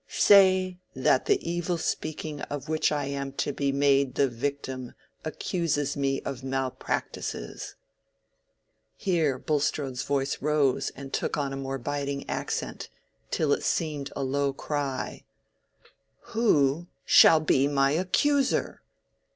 Say that the evil speaking of which I am to be made the victim accuses me of malpractices—" here Bulstrode's voice rose and took on a more biting accent, till it seemed a low cry—"who shall be my accuser?